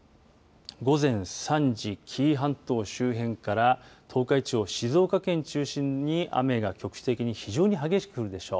午前３時、紀伊半島周辺から東海地方、静岡県中心に雨が局地的に非常に激しく降るでしょう。